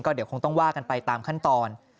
เดี๋ยวคงต้องว่ากันไปตามขั้นตอน